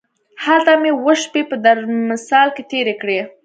هلته مې اووه شپې په درمسال کې تېرې کړې.